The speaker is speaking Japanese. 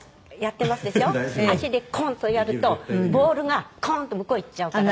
足でコンッとやるとボールがコンッと向こう行っちゃうから。